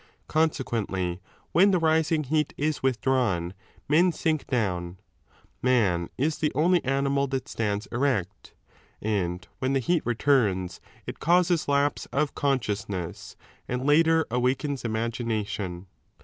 Consequently when the rising heat is withdrawn, men sink down (man is the only animal that stands erect), and wheu the heat returns, it causes lapse of consciousness, and later 24 awakens imagination.